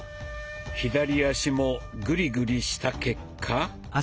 左足もグリグリした結果。